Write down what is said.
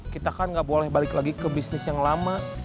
kita kan gak boleh balik lagi ke bisnis yang lama